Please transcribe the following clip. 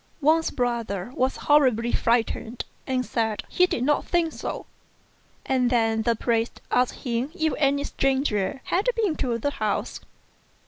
Wang's brother was horribly frightened FROM A CHINESE STUDIO. 8 1 and said he did not think so; and then the priest asked him if any stranger had been to the house.